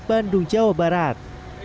bandung jawa barat